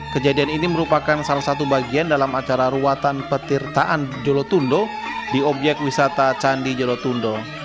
kejadian ini merupakan salah satu bagian dalam acara ruatan petirtaan jolotundo di obyek wisata candi jolotundo